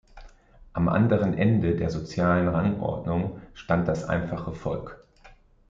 Am anderen Ende der sozialen Rangordnung stand das einfache Volk.